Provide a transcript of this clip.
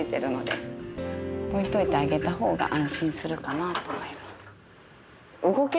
置いといてあげたほうが安心するかなと思います。